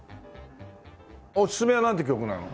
おすすめはなんて曲なの？